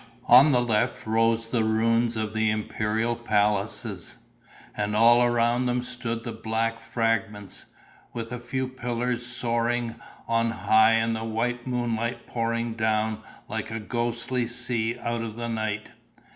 On the left rose the ruins of the imperial palaces; and all around them stood the black fragments, with a few pillars soaring on high and the white moonlight pouring down like a ghostly sea out of the night.